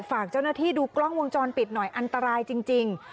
ฝากเจ้าหน้าที่ดูกล้องวงจรปิดหน่อยอันตรายจริง